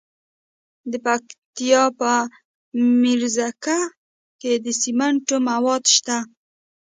د پکتیا په میرزکه کې د سمنټو مواد شته.